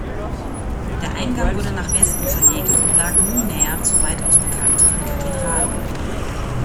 Der Eingang wurde nach Westen verlegt und lag nun näher zur weitaus bekannteren Kathedrale.